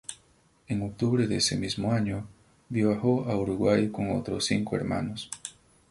En octubre de ese mismo año viajó a Uruguay con otros cinco hermanos.